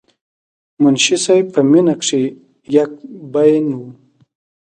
منشي صېب پۀ مينه کښې يک بين وو،